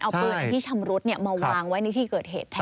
เอาปืนที่ชำรุดมาวางไว้ในที่เกิดเหตุแทน